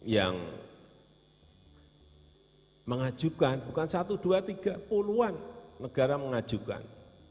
yang mengajukan bukan satu dua tiga puluhan negara mengajukan